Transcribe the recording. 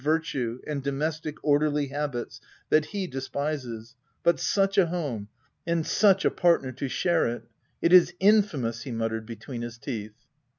t 170 THE TENANT virtue and domestic orderly habits that he de spises — but such a home, and such a partner to share it !— It is infamous W he muttered be ' tween his teeth.